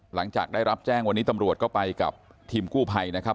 หลังจากได้รับแจ้งวันนี้ตำรวจก็ไปกับทีมกู้ภัยนะครับ